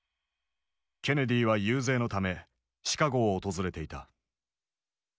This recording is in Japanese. ケネディは遊説のためシカゴを訪れていた。